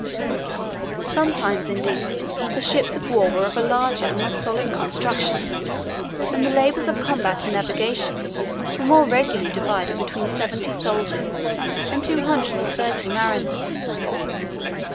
Sometimes, indeed, the ships of war were of a larger and more solid construction; and the labors of combat and navigation were more regularly divided between seventy soldiers and two hundred and thirty mariners.